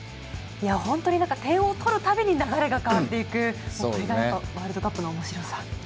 本当に点を取るたびに流れが変わっていく、これがワールドカップのおもしろさ。